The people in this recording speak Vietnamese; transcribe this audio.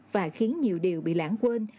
và khiến nhiều điều bị lãng quên